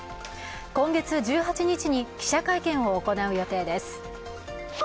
今月１８日に記者会見を行う予定です。